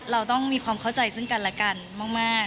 เราต้องมีความเข้าใจซึ่งกันและกันมาก